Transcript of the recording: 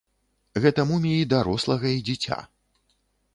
Гэта муміі дарослага і дзіця.